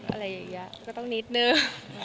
อะไรอย่างนี้ก็ต้องนิดนึง